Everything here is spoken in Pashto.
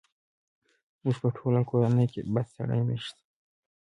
زموږ په ټوله کورنۍ کې بد سړی نه شته!